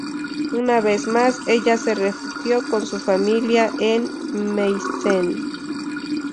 Una vez más, ella se refugió con su familia en Meissen.